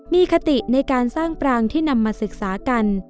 มีคติในการสร้างปรางที่นำมาศึกษากัน